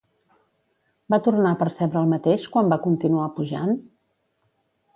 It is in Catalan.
Va tornar a percebre el mateix quan va continuar pujant?